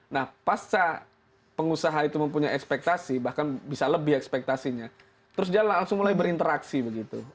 nah pasca pengusaha itu mempunyai ekspektasi bahkan bisa lebih ekspektasinya terus dia langsung mulai berinteraksi begitu